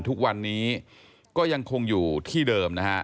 ทุกวันนี้ก็ยังคงอยู่ที่เดิมนะฮะ